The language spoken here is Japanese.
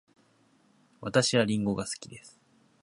私はりんごが好きです。